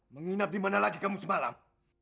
menginap dimana lagi kamu semalam